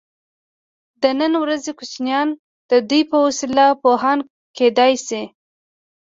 د نن ورځې کوچنیان د دوی په وسیله پوهان کیدای شي.